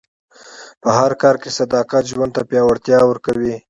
په هر کار کې صداقت ژوند ته پیاوړتیا ورکوي.